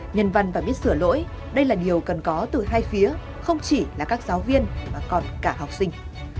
nhân văn và biết sửa lỗi đây là điều cần có từ hai phía không chỉ là các giáo viên mà còn cả học sinh